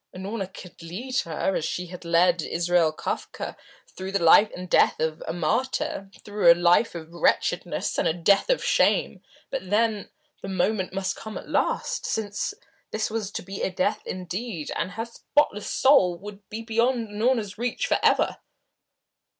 Unorna could lead her, as she had led Israel Kafka, through the life and death of a martyr, through a life of wretchedness and a death of shame, but then, the moment must come at last, since this was to be death indeed, and her spotless soul would be beyond Unorna's reach forever.